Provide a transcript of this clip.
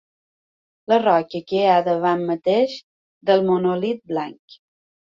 La roca que hi ha davant mateix del monòlit blanc.